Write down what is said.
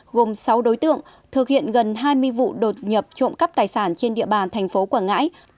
gồm sáu đối tượng thực hiện gần hai mươi vụ đột nhập trộm cắp tài sản trên địa bàn thành phố quảng ngãi